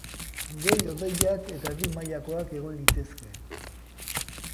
Goi-hodeiak eta erdi mailakoak egon litezke.